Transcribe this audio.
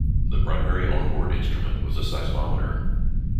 The primary onboard instrument was a seismometer.